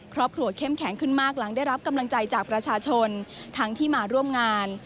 เข้มแข็งขึ้นมากหลังได้รับกำลังใจจากประชาชนทั้งที่มาร่วมงาน